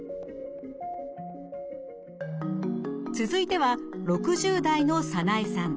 続いては６０代のサナエさん。